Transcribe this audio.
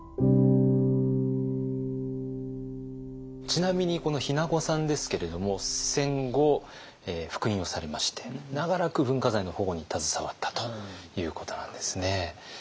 ちなみにこの日名子さんですけれども戦後復員をされまして長らく文化財の保護に携わったということなんですね。